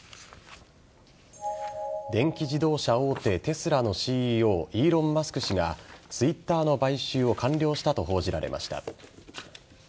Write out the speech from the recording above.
電気自動車大手テスラのＣＥＯイーロン・マスク氏がＴｗｉｔｔｅｒの買収を完了したと報じられました。